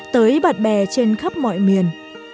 tới bạn bè trên khắp mọi miền